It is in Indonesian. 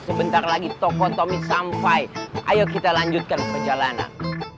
apalagi toko tommy sampai ayo kita lanjutkan perjalanan